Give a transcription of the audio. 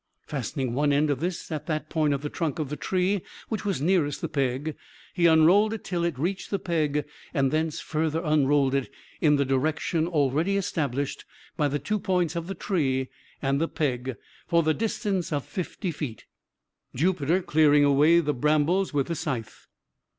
Fastening one end of this at that point of the trunk of the tree which was nearest the peg, he unrolled it till it reached the peg and thence further unrolled it, in the direction already established by the two points of the tree and the peg, for the distance of fifty feet Jupiter clearing away the brambles with the scythe.